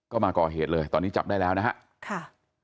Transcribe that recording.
ก็มาก่อเหตุเลยตอนนี้จับได้แล้วนะครับ